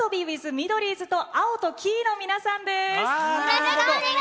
ミドリーズとアオとキイの皆さんです。